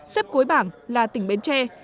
xếp cuối bảng là tỉnh bến tre